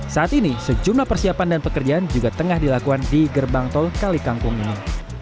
saat ini sejumlah persiapan dan pekerjaan juga tengah dilakukan di gerbang tol kali kangkung ini